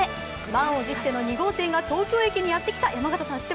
満を持しての２号店が東京駅にやってきた。